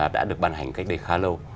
đã được bàn hành cách đây khá lâu